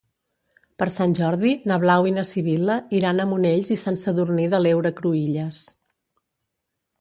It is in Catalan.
Per Sant Jordi na Blau i na Sibil·la iran a Monells i Sant Sadurní de l'Heura Cruïlles.